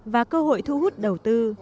và cơ hội thu hút đầu tư